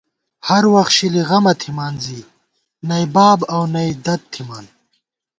ہروخت شِلی غمہ تھِمان زی نئ باب اؤ نئ دَد تھِمان